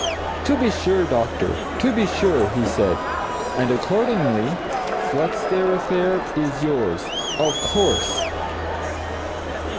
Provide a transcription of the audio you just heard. "To be sure, doctor, to be sure!" he said. "And accordingly what's their affair, is yours! Of course!"